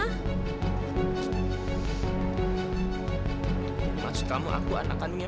tapi mama juga baru tahu kalau kamu bukan anak kandung mama